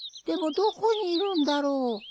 でもどこにいるんだろう？